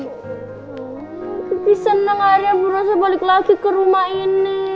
ibu senang hari ibu rosa balik lagi ke rumah ini